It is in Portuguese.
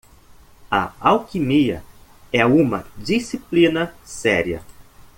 A alquimia é uma disciplina séria.